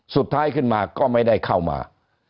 สุดท้ายขึ้นมาก็ไม่ได้เข้ามา